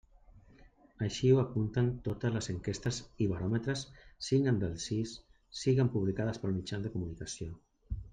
Així ho apunten totes les enquestes i baròmetres, siguen del CIS siguen publicades pels mitjans de comunicació.